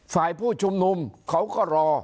ฝ่ายผู้ชุมนุมเขาก็รอ